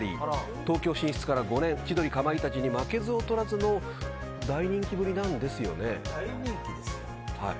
東京進出から５年千鳥、かまいたちに負けず劣らずの大人気ぶりなんですよね。